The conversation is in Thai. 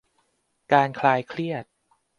การคลายเครียด